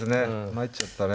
参っちゃったね。